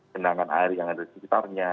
genangan air yang ada di sekitarnya